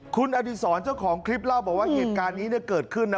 คุณอดิษรเจ้าของคลิปเล่าบอกว่าเหตุการณ์นี้เกิดขึ้นนะ